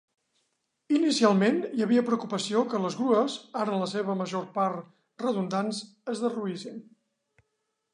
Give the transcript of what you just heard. Inicialment hi havia preocupació que les grues, ara en la seva major part redundants, es derruïssin.